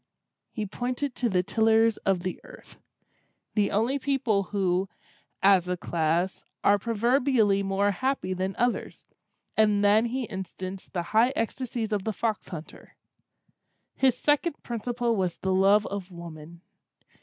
He pointed to the tillers of the earth—the only people who, as a class, are proverbially more happy than others—and then he instanced the high ecstasies of the fox hunter. His second principle was the love of woman.